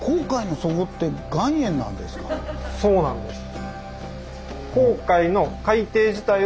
そうなんです。